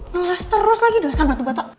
ngelas terus lagi doh asal batu batak